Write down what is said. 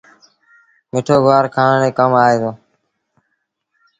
مٺو گُوآر کآڻ ري ڪم آئي دو۔